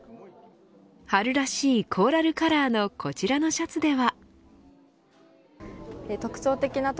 春らしいコーラルカラーのこちらのシャツでは。